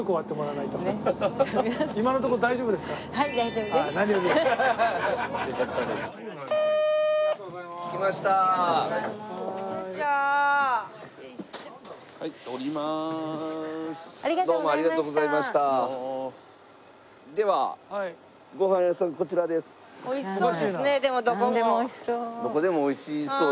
なんでもおいしそう。